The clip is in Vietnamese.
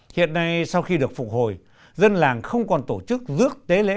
hiện nay sau khi được phục hồi dân làng không còn tổ chức rước tế lễ